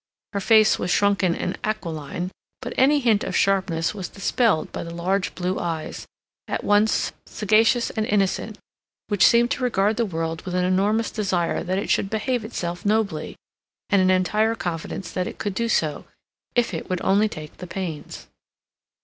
Her face was shrunken and aquiline, but any hint of sharpness was dispelled by the large blue eyes, at once sagacious and innocent, which seemed to regard the world with an enormous desire that it should behave itself nobly, and an entire confidence that it could do so, if it would only take the pains.